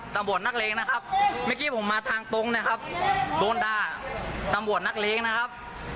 ตำรวจนักเลงนะครับเมื่อกี้ผมมาทางตรงนะครับโดนด่าตำรวจนักเลงนะครับ